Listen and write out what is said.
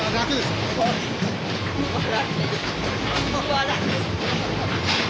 笑ってる。